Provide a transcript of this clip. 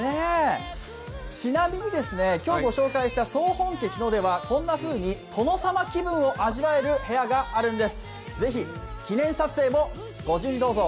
ちなみに今日ご紹介した総本家日野では、こんなふうに殿様気分を味わえる部屋があるんです。